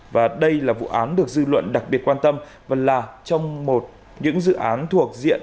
và đây là vụ án được dư luận đặc biệt quan tâm và là trong một dự án thuộc diện